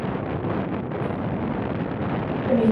He was cremated six days later at Colwyn Bay.